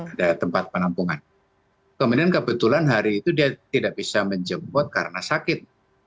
ada tempat penampungan kemudian kebetulan hari itu dia tidak bisa menjemput karena sakit